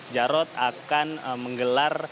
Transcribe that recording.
jarod akan menggelar